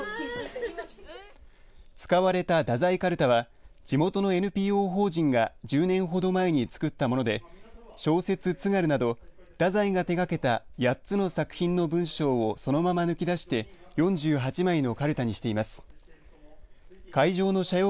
使われた太宰歌留多は地元のＮＰＯ法人が１０年ほど前に作ったもので小説、津軽など太宰が手がけた８つの作品の文章をそのまま抜き出して４８枚のかるたにしています。